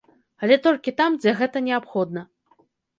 Але толькі там, дзе гэта неабходна.